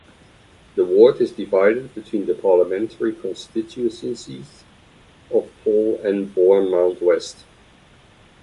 The ward is divided between the parliamentary constituencies of Poole and Bournemouth West.